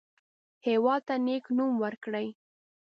هېواد ته نیک نوم ورکړئ